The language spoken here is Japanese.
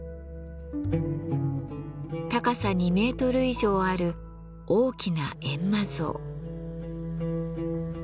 高さ２メートル以上ある大きな閻魔像。